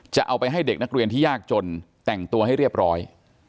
จะเอาไปให้เด็กนักเรียนที่ยากจนแต่งตัวให้เรียบร้อย